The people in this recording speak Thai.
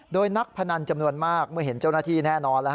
โดยนักพนันจำนวนมากเมื่อเห็นเจ้าหน้าที่แน่นอน